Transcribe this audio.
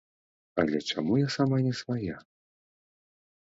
Але чаму я сама не свая!